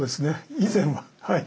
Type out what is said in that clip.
以前ははい。